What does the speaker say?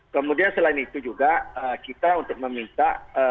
kemudian selain itu juga kita untuk meminta